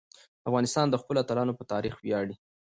افغانستان د خپلو اتلانو په تاریخ ویاړي.